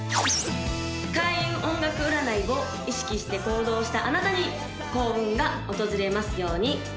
開運音楽占いを意識して行動したあなたに幸運が訪れますように！